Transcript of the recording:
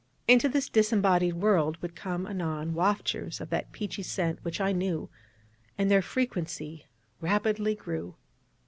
Into this disembodied world would come anon waftures of that peachy scent which I knew: and their frequency rapidly grew.